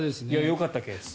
よかったケース